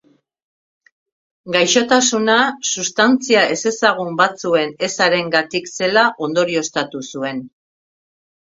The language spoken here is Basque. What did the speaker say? Gaixotasuna sustantzia ezezagun batzuen ezarengatik zela ondorioztatu zuen.